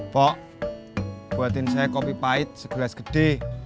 pok buatin saya kopi pahit segelas gede